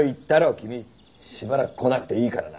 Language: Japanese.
君しばらく来なくていいからな。